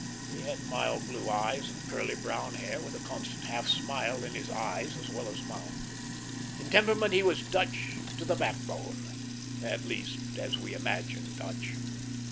He had mild blue eyes and curly brown hair, with a constant half smile in eyes as well as mouth. In temperament he was Dutch to the backbone at least as we imagine Dutch.